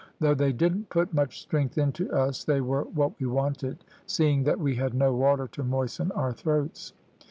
Though they didn't put much strength into us they were what we wanted, seeing that we had no water to moisten our throats.